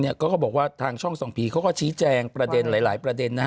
เขาก็บอกว่าทางช่องส่องผีเขาก็ชี้แจงประเด็นหลายประเด็นนะฮะ